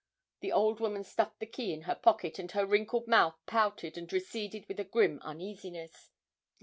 The old woman stuffed the key in her pocket, and her wrinkled mouth pouted and receded with a grim uneasiness.